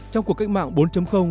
trong cuộc cách mạng bốn